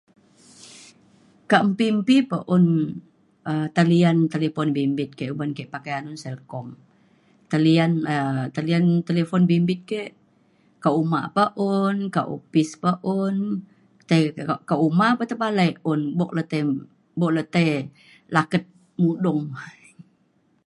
kak mpi mpi pa un um talian talipon bimbit ke uban ke pakai anun Celcom. talian um talian talifon bimbit ke kak uma pa un kak opis pa un tei tekak ka uma pa tepalai un buk le tai buk le tai laket mudung.